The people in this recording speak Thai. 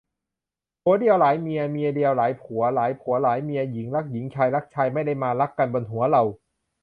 ผัวเดียวหลายเมีย เมียเดียวหลายผัว หลายผัวหลายเมีย หญิงรักหญิง ชายรักชาย ไม่ได้มารักกันบนหัวเรา